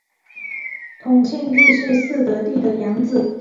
同庆帝是嗣德帝的养子。